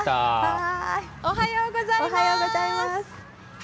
おはようございます。